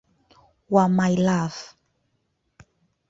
wa "My Love".